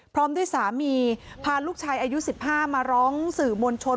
พร้อมด้วยสามีพาลูกชายอายุ๑๕มาร้องสื่อมวลชน